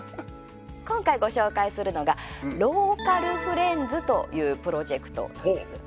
今回ご紹介するのがローカルフレンズというプロジェクトなんです。